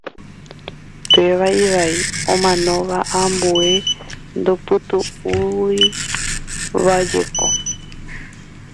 Péva ivai, omanóva angue ndopytu'úivajeko.